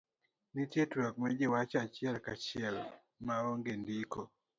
nitie twak majiwacho achiel kachiel ma onge ndiko